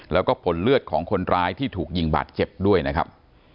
แล้วก็ผลเลือดของคนร้ายที่ถูกยิงบาดเจ็บด้วยนะครับ